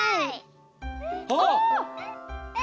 あっ！